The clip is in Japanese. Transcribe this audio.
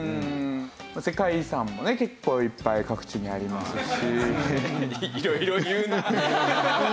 世界遺産もね結構いっぱい各地にありますし。